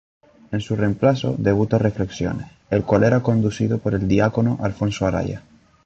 En su reemplazo, debuta "Reflexiones", el cual era conducido por el diácono Alfonso Araya.